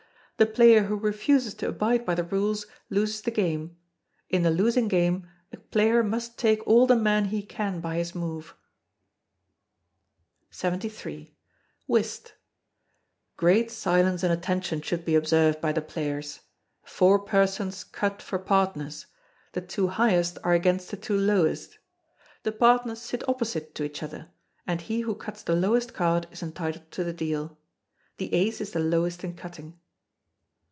The player who refuses to abide by the rules loses the game. In the losing game a player must take all the men he can by his move. 73. Whist. (Upon the principle of Hoyle's games.) Great silence and attention should be observed by the players. Four persons cut for partners; the two highest are against the two lowest. The partners sit opposite to each other, and he who cuts the lowest card is entitled to the deal. The ace is the lowest in cutting.